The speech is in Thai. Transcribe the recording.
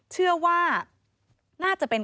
เชื่อว่าน่าจะเป็น